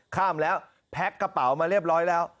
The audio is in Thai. ข้ามแล้วแพ็คกระเป๋ามาเรียบร้อยแล้ว